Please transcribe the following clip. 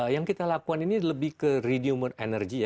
yang kita lakukan ini lebih ke renewable energy